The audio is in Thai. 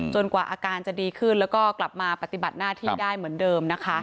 กว่าอาการจะดีขึ้นแล้วก็กลับมาปฏิบัติหน้าที่ได้เหมือนเดิมนะคะ